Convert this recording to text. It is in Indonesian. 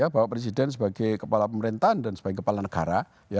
bahwa presiden sebagai kepala pemerintahan dan sebagai kepala negara